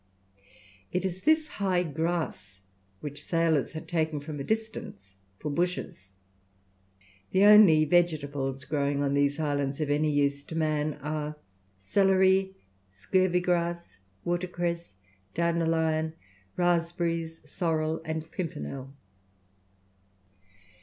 It is this high grass which sailors have taken from a distance for bushes. The only vegetables growing on these islands of any use to man are celery, scurvy grass, watercress, dandelion, raspberries, sorrel, and pimpernel.